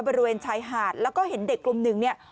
บริเวณชายหาดแล้วก็เห็นเด็กกลุ่มหนึ่งเนี่ย